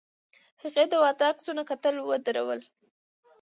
هغې د واده د عکسونو کتل ودرول.